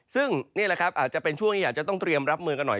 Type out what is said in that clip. ซึ่งนี่แหละครับอาจจะเป็นช่วงที่อาจจะต้องเตรียมรับมือกันหน่อย